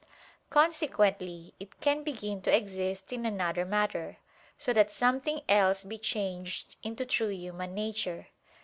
Consequently it can begin to exist in another matter, so that something else be changed into true human nature.